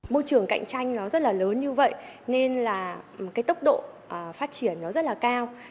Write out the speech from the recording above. môi trường cạnh tranh rất lớn như vậy nên tốc độ phát triển rất cao